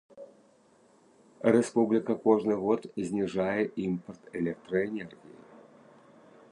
Рэспубліка кожны год зніжае імпарт электраэнергіі.